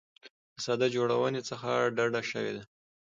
له ساده جوړونې څخه ډډه شوې ده.